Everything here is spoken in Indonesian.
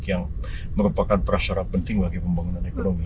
yang merupakan prasyarat penting bagi pembangunan ekonomi